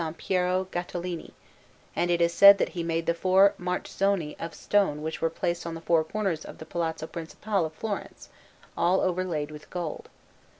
Piero Gattolini, and it is said that he made the four marzocchi of stone which were placed on the four corners of the Palazzo Principale of Florence, all overlaid with gold.